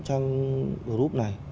trang group này